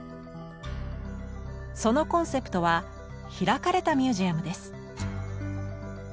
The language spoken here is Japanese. そのコンセプトは「開かれたミュージアム」です。